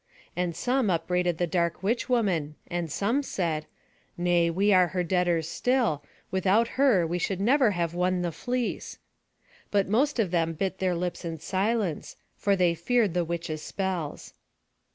And some upbraided the dark witch woman, and some said: "Nay, we are her debtors still; without her we should never have won the fleece." But most of them bit their lips in silence, for they feared the witch's spells.